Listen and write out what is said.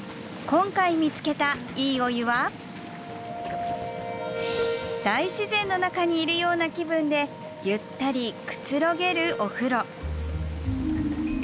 今回見つけた、いいお湯は大自然の中にいるような気分でゆったりくつろげるお風呂。